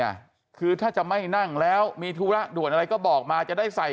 อ่ะคือถ้าจะไม่นั่งแล้วมีธุระด่วนอะไรก็บอกมาจะได้ใส่